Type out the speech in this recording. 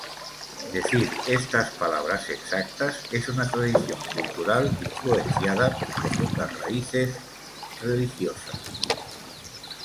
Decir estas palabras exactas es una tradición cultural influenciada por profundas raíces religiosas.